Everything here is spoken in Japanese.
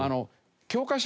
教科書